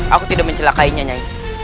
aku tidak mencelakainya nyari